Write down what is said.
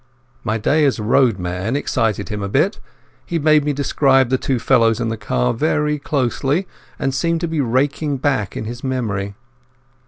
My day as roadman excited him a bit. He made me describe the two fellows in the car very closely, and seemed to be raking back in his memory.